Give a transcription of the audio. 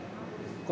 これ。